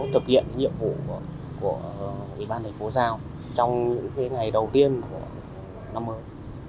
thực hiện nhiệm vụ của ủy ban thành phố giao trong những ngày đầu tiên của năm mới